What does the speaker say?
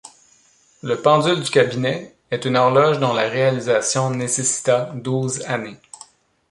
La Pendule du cabinet est une horloge dont la réalisation nécessita douze années.